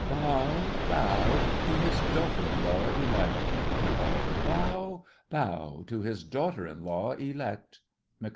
Bow—Bow— To his daughter in law elect! ALL. Bow—Bow— To his daughter in law elect. MIK.